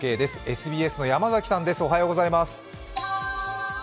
ＳＢＳの山崎さんです。